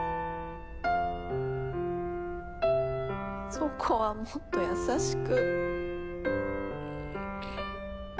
そこはもっと優しく。